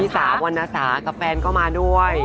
พี่สาวรรณสาวกับแฟนก็มาด้วย